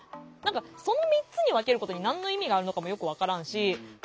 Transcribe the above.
その３つに分けることに何の意味があるのかもよく分からんし。